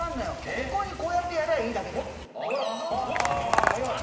ここにこうやってやりゃいいだけじゃん・あら！